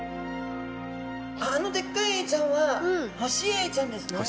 あのでっかいエイちゃんはホシエイちゃんですね。